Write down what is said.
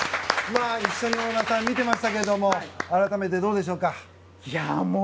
一緒に見ていましたけど改めてどうでしょうか。